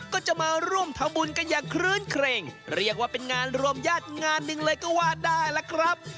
ก็จะมาร่วมทำบุญกันอย่างคลื้นเครงเรียกว่าเป็นงานรวมญาติงานหนึ่งเลยก็ว่าได้ล่ะครับ